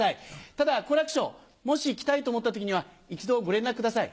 ただ好楽師匠もし来たいと思った時には一度ご連絡ください